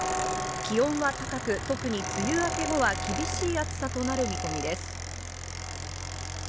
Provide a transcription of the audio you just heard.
気温は高く、特に梅雨明け後は厳しい暑さとなる見込みです。